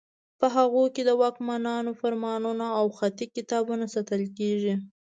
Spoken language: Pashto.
په هغو کې د واکمنانو فرمانونه او خطي کتابونه ساتل کیږي.